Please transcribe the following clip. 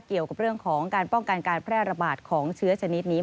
เกี่ยวกับเรื่องของการป้องกันการแพร่ระบาดของเชื้อชนิดนี้